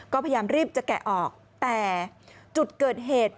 ก็พยายามรีบจะแกะออกแต่จุดเกิดเหตุ